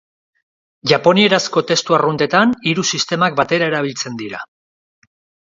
Japonierazko testu arruntetan, hiru sistemak batera erabiltzen dira.